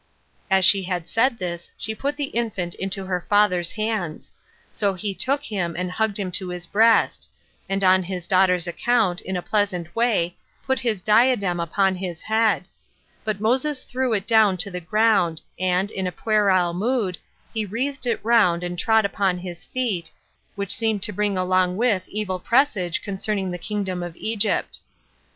And she had said this, she put the infant into her father's hands: so he took him, and hugged him to his breast; and on his daughter's account, in a pleasant way, put his diadem upon his head; but Moses threw it down to the ground, and, in a puerile mood, he wreathed it round, and trod upon his feet, which seemed to bring along with evil presage concerning the kingdom of Egypt.